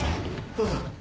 どうぞ。